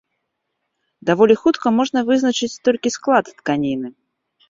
Даволі хутка можна вызначыць толькі склад тканіны.